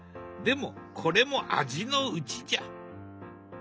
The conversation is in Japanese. でもこれも味のうちじゃ！